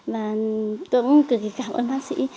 và tôi cũng cực kỳ cảm ơn bác sĩ